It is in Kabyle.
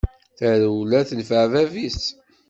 Tarewla tenfeɛ bab-is.